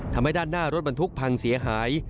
ทำให้ด้านหน้ารถบรรทุกพังเสียหาย